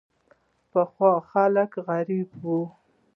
پخوا خلک غریب وو.